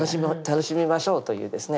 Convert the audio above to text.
楽しみましょうというですね